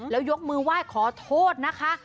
แล้วยกมือไหว้ขอโทษนะคะ